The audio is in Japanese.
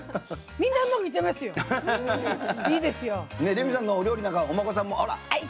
レミさんのお料理なんかお孫さんも。